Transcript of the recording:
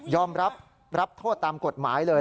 รับรับโทษตามกฎหมายเลย